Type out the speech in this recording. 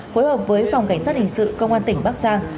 phối hợp với phòng cảnh sát hình sự công an tỉnh bắc giang